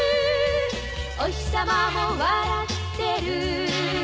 「おひさまも笑ってる」